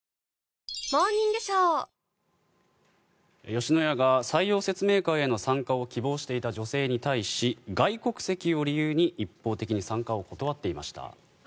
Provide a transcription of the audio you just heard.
吉野家が採用説明会への参加を希望していた女性に対し外国籍を理由に一方的に参加を断っていました。